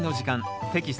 テキスト８